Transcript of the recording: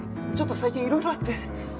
ちょっと最近いろいろあって。